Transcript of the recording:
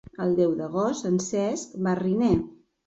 El deu d'agost en Cesc va a Riner.